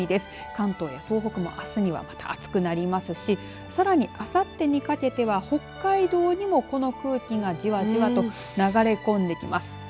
関東や東北もあすにはまた暑くなりますしさらにあさってにかけては北海道にもこの空気がじわじわと流れ込んできます。